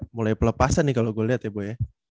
mulai pelepasan nih kalau gue lihat ya bu ya